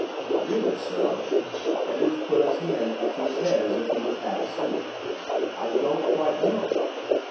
'Really, sir,' Edwards put his hand up to his head as if he was half asleep 'I don't quite know.